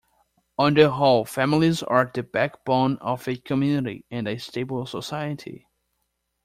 On the whole, families are the backbone of a community and a stable society.